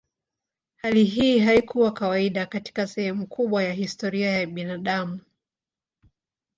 Hali hii haikuwa kawaida katika sehemu kubwa ya historia ya binadamu.